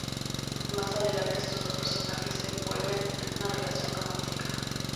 Más adelante estos dos personajes se envuelven en una relación romántica.